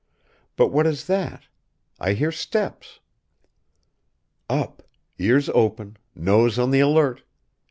But what is that? I hear steps!... Up, ears open; nose on the alert!...